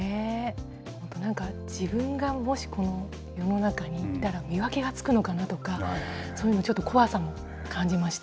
本当、なんか、自分がもしこの世の中にいたら、見分けがつくのかなとか、そういうの、ちょっと怖さも感じました。